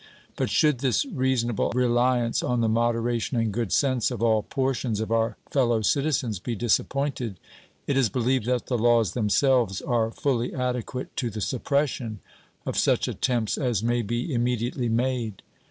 But should this reasonable reliance on the moderation and good sense of all portions of our fellow citizens be disappointed, it is believed that the laws themselves are fully adequate to the suppression of such attempts as may be immediately made.